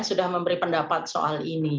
sudah memberi pendapat soal ini